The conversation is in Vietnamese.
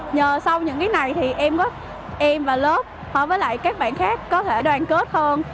nhờ sau những cái này em và lớp với các bạn khác có thể đoàn kết hơn